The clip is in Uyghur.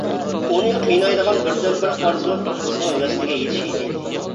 ئۇنى قىينايدىغان بىردىنبىر ئارزۇ بىر قىزنىڭ ۋەسلىگە يېتىش ئىدى.